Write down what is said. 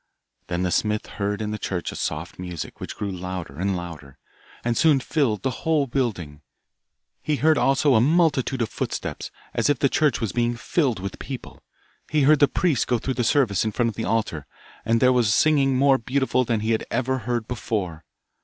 Then the smith heard in the church a soft music, which grew louder and louder, and soon filled the whole building. He heard also a multitude of footsteps, as if the church was being filled with people. He heard the priest go through the service in front of the altar, and there was singing more beautiful than he had ever heard before.